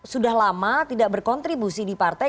sudah lama tidak berkontribusi di partai